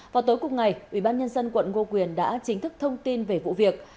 vào tối cuộc ngày ubnd quận ngo quyền đã chính thức thông tin về vụ việc